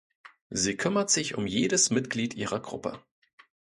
Sie kümmert sich um jedes Mitglied ihrer Gruppe.